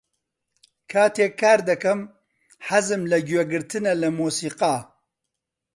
کاتێک کار دەکەم، حەزم لە گوێگرتنە لە مۆسیقا.